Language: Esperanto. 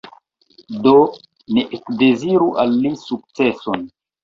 Do ni ekdeziru al li sukceson".